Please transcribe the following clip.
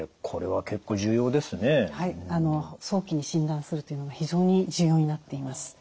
はい早期に診断するというのが非常に重要になっています。